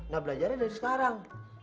gak belajar aja dari sekarang